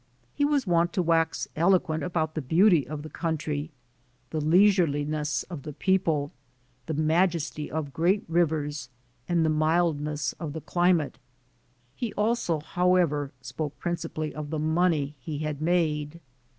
He was wont to wax eloquent about the beauty of the coun try, the leisureliness of the people, the majesty of great rivers and the mildness of the climate. He also, however, spoke principally of the money he had made.